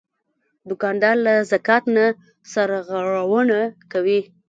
دوکاندار له زکات نه سرغړونه نه کوي.